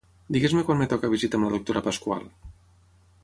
Digues-me quan em toca visita amb la doctora Pasqual.